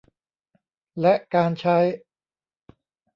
และการใช้